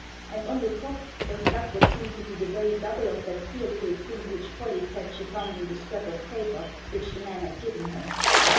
And on the top was stuck what seemed to be the very double of that queer little thing which Pollie said she found in the scrap of paper which the man had given her.